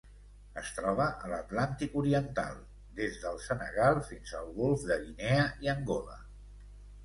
Es troba a l'Atlàntic oriental: des del Senegal fins al Golf de Guinea i Angola.